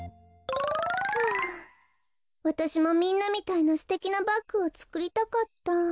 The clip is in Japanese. はあわたしもみんなみたいなすてきなバッグをつくりたかった。